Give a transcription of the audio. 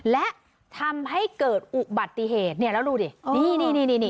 และทำให้เกิดอุบัติเหตุเนี่ยแล้วดูดินี่นี่